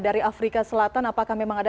dari afrika selatan apakah memang ada